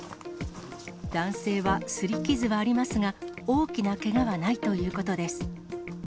男性はすり傷はありますが、大きなけがはないということです。